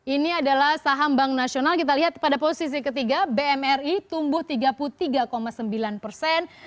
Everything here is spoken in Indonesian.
ini adalah saham bank nasional kita lihat pada posisi ketiga bmri tumbuh tiga puluh tiga sembilan persen